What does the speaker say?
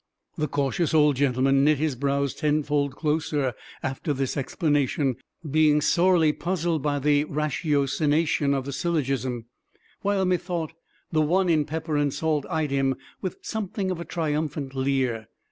The cautious old gentleman knit his brows tenfold closer after this explanation, being sorely puzzled by the ratiocination of the syllogism; while, methought, the one in pepper and salt eyed him with something of a triumphant leer.